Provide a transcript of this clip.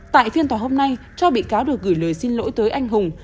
tại phiên tòa hôm nay cho bị cáo được gửi lời xin lỗi tới anh hùng